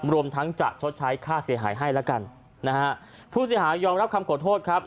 รวมทั้งจะชดใช้ค่าเสียหายให้แล้วกันนะฮะผู้เสียหายยอมรับคำขอโทษครับ